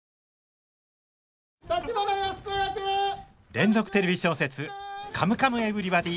連続テレビ小説「カムカムエヴリバディ」！